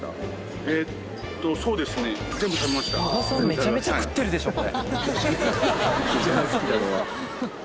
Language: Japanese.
めちゃめちゃ食ってるでしょこれ。